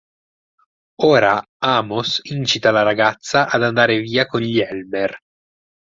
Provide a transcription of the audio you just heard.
Ora Amos incita la ragazza ad andare via con gli Elmer.